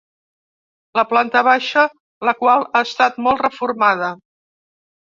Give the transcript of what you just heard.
La planta baixa, la qual ha estat molt reformada.